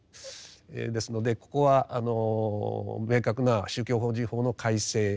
ですのでここは明確な宗教法人法の改正が必要であろう。